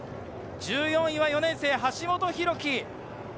１４位は４年生の橋本大輝。